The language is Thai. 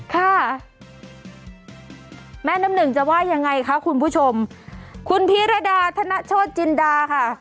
ค่ะแม่น้ำหนึ่งจะว่ายังไงคะคุณผู้ชมคุณพิรดาธนโชธจินดาค่ะ